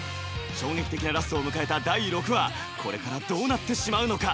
衝撃的なラストを迎えた第６話これからどうなってしまうのか